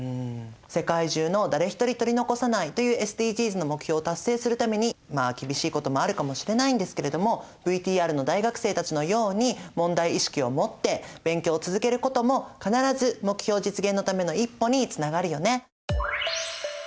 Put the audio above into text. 世界中の「誰一人取り残さない」というＳＤＧｓの目標を達成するためにまあ厳しいこともあるかもしれないんですけれどもＶＴＲの大学生たちのように問題意識を持って勉強を続けることも必ず目標実現のための一歩につながるよね！